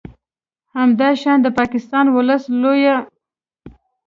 همداشان د پاکستان ولس لویه ب